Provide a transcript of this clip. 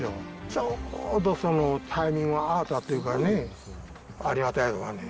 ちょうどそのタイミングが合ったっていうかね、ありがたいわね。